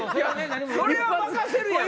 それは任せるやん。